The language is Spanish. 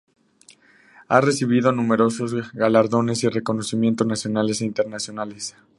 Ha recibido numerosos galardones y reconocimientos nacionales e internacionales.